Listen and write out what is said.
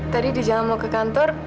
tadi di jalan mau ke kantor